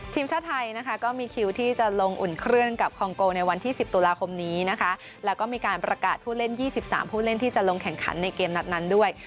ทีมชาติไทยนะคะก็มีคิวที่จะลงอุ่นเครื่องกับคองโกในวันที่๑๐ตุลาคมนี้นะคะแล้วก็มีการประกาศผู้เล่น๒๓ผู้เล่นที่จะลงแข่งขันในเกมนัดนั้นด้วย